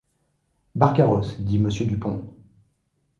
Barrecarrosse, dit monsieur Dupont.